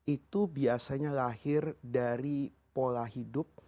itu biasanya lahir dari pola hidup